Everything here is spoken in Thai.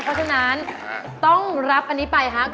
เพราะฉะนั้นต้องรับอันนี้ไปครับ